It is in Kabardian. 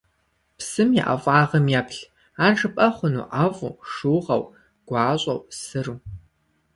Псым и ӀэфӀагъым еплъ; ар жыпӀэ хъуну ӀэфӀу, шыугъэу, гуащӀэу, сыру?